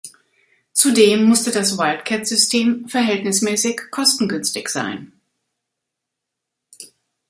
Zudem musste das Wildcat-System verhältnismäßig kostengünstig sein.